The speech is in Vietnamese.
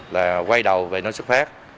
là quay đầu về nơi xuất phát